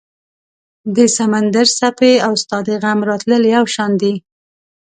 د سمندر څپې او ستا د غم راتلل یو شان دي